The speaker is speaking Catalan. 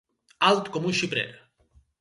Alt com un xiprer.